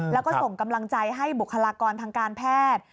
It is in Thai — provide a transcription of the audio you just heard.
แล้วก็ส่งกำลังใจให้บุคลากรทางการแพทย์